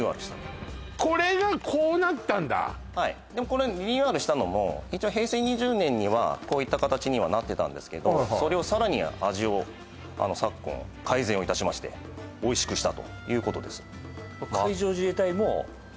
これリニューアルしたのも平成２０年にはこういった形にはなってたんですけどそれをさらに味を昨今改善をいたしましておいしくしたということです